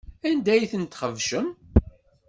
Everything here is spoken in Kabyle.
Anda ay ten-txebcem?